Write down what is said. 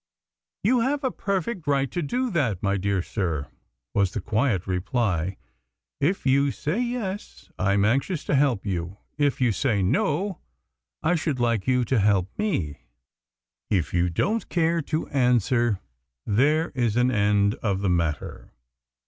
"You have a perfect right to do that, my dear sir," was the quiet reply. "If you say 'yes,' I am anxious to help you: if you say 'no,' I should like you to help me: if you don't care to answer, there is an end of the matter.